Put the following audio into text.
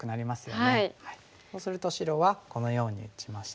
そうすると白はこのように打ちまして。